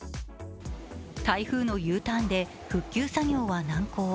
台風のＵターンで復旧作業は難航。